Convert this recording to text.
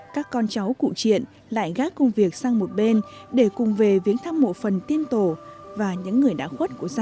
các con cháu cụ triện lại gác công việc sang một bên để cùng về viếng thăm mộ phần tiên tổ và những người đã khuất của gia đình